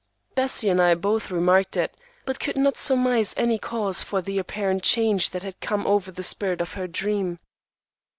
Bessie and I both remarked it, but could not surmise any cause for the apparent change that had come over the spirit of her dream.